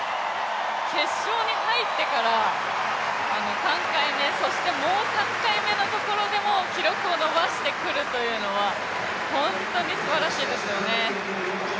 決勝に入ってから３回目、そしてもう３回目のところで記録を伸ばしてくるというのは本当にすばらしいですよね。